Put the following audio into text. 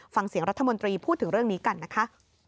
ฟังเสียงรัฐมนตรีพูดถึงเรื่องนี้กันนะคะ